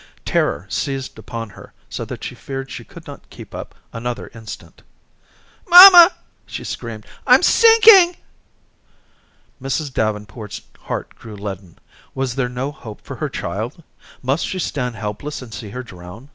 Terror seized upon her so that she feared she could not keep up another instant. "Mamma," she screamed, "I'm sinking." Mrs. Davenport's heart grew leaden. Was there no hope for her child? Must she stand helpless and see her drown?